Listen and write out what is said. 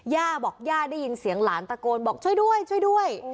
ย่าบอกย่าได้ยินเสียงหลานตะโกนบอกช่วยด้วยช่วยด้วย